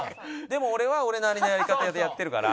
でも俺は俺なりのやり方でやってるから。